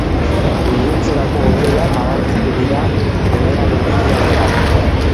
Iluntzerako hodeiak nabarmenduko dira mendebaldetik ekialdera.